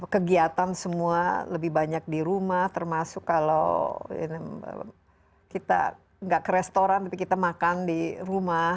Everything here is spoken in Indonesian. kegiatan semua lebih banyak di rumah termasuk kalau kita nggak ke restoran tapi kita makan di rumah